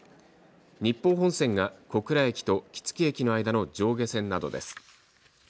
日豊本線が小倉駅と杵築駅の間の上下線などです。